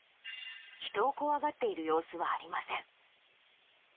人を怖がっている様子はありません。